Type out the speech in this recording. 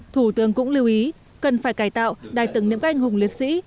thủ tướng cũng lưu ý cần phải cải tạo đài tưởng niệm các anh hùng liệt sĩ